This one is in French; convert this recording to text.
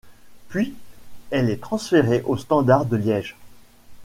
Puis elle est transférée au Standard de Liège.